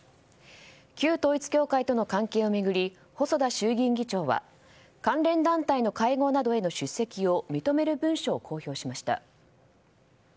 旧統一教会との関係を巡り細田衆議院議長は関連団体の会合などへの出席を認める文書を公表しました。